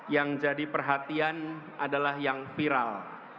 yang jadi perhatian adalah yang viral